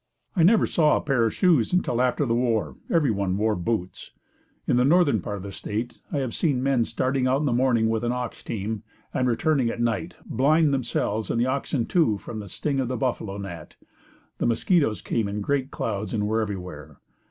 I never saw a pair of shoes until after the war. Everyone wore boots. In the northern part of the State I have seen men start out in the morning with an ox team and return at night, blind themselves and the oxen, too, from the sting of the buffalo gnat. The mosquitoes came in great clouds and were everywhere.